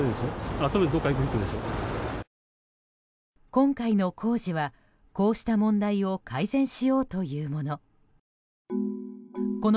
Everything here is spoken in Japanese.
今回の工事は、こうした問題を改善しようというもの。